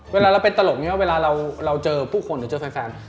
เวลาเราเป็นตลกเวลาเราเจอผู้คนเจอไฟล์แฟน